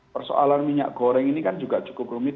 persoalan minyak goreng ini kan juga cukup rumit